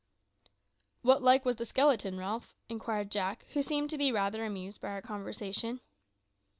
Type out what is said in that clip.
"What like was the skeleton, Ralph?" inquired Jack, who seemed to be rather amused by our conversation.